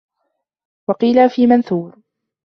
وَقِيلَ فِي مَنْثُورِ